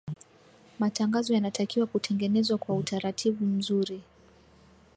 matangazo yanatakiwa kutegenezwa kwa utaratibu mzuri